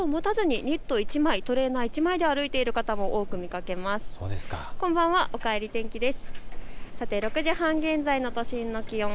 きょうは上着を持たずにニット１枚、トレーナー１枚で歩いている方も多く見かけます。